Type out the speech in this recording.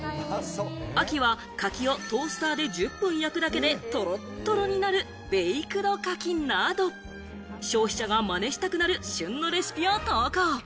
秋はカキをトースターで１０分焼くだけで、トロットロになるベイクド柿など、消費者がまねしたくなる旬のレシピを投稿。